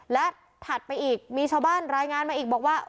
และถัดไปอีกมีชาวบ้านรายงานมาอีกบอกว่า